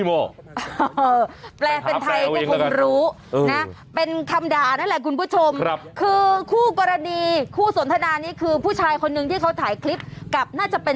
ไม่เป็นไรดีกว่าครับผมขอโทษจริงนะครับ